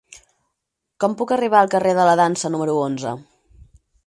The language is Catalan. Com puc arribar al carrer de la Dansa número onze?